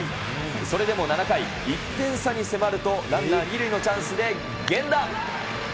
それでも７回、１点差に迫ると、ランナー２塁のチャンスで源田。